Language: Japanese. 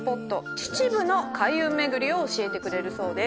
秩父の開運巡りを教えてくれるそうです。